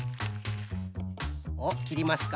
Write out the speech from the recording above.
おっきりますか。